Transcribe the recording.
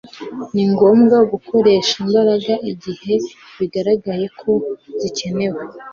Ni ngombwa gukoresha imbaraga igihe bigaragaye ko zikenewe